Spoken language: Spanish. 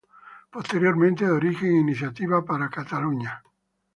Posteriormente da origen a Iniciativa per Catalunya.